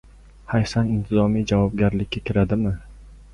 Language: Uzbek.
Hayfsan intizomiy javobgarlikka kiradimi?